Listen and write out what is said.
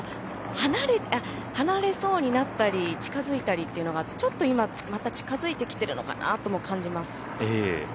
離れそうになったり近づいたりというのがあってちょっと今また近づいてきてるのかなとも感じます。